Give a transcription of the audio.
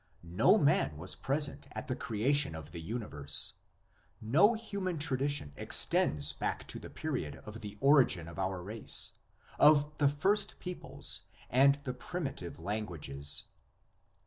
No man was present at the creation of the universe; no human tradition extends back to the period of the origin of our race, of the first peoples and the primitive lan guages.